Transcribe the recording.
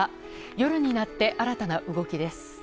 夜になって新たな動きです。